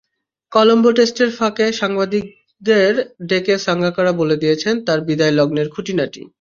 কলম্বো টেস্টের ফাঁকে সাংবাদিকদের ডেকে সাঙ্গাকারা বলে দিয়েছেন তাঁর বিদায় লগ্নের খুঁটিনাটি।